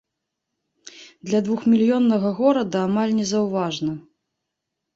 Для двухмільённага горада амаль незаўважна.